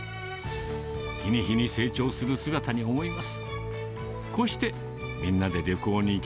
日に日に成長する姿に思います。